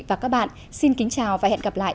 và các bạn xin kính chào và hẹn gặp lại